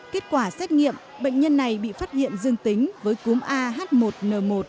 kết quả xét nghiệm bệnh nhân này bị phát hiện dương tính với cúm ah một n một